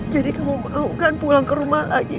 jadi kamu mau kan pulang ke rumah lagi